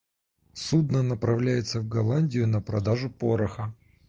Судно направляется в Голландию на продажу пороха.